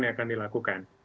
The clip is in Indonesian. yang terjadi di kay